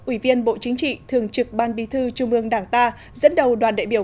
ủy viên bộ chính trị thường trực ban bí thư trung ương đảng ta dẫn đầu đoàn đại biểu